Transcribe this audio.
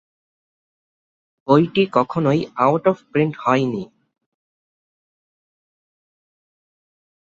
বইটি কখনই out of print হয়নি।